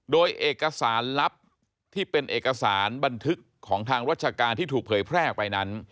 โดยเอกสารลับที่เป็นเอกสารบันทึกของทางราชการที่ถูกเผยแพร่ออกไปนั้น